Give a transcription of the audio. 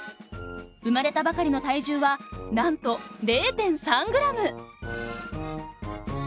生まれたばかりの体重はなんと０．３グラム。